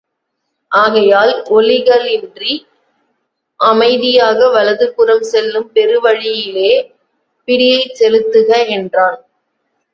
ஆகையால் ஒலிகளின்றி அமைதியாக வலப் புறம் செல்லும் பெருவழியிலே பிடியைச் செலுத்துக என்றான்.